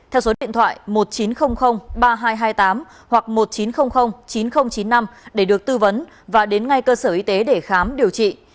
theo số điện thoại một chín không không ba hai hai tám hoặc một chín không không chín không chín năm để được tư vấn và đến ngay cơ sở y tế để khám điều trị